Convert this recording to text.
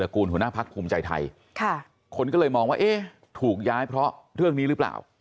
คุมใจไทยค่ะคนก็เลยมองว่าเอ๊ะถูกย้ายเพราะเรื่องนี้หรือเปล่า